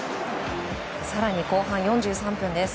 更に後半４３分です。